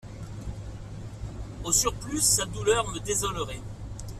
Au surplus, sa douleur me désolerait.